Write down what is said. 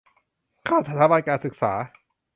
ข้ามสถาบันการศึกษา